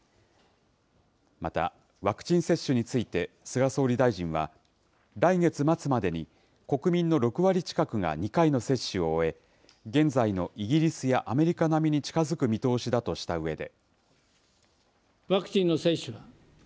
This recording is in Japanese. また、ワクチン接種について菅総理大臣は、来月末までに国民の６割近くが２回の接種を終え、現在のイギリスやアメリカ並みに近づく見通しだとしたうえで。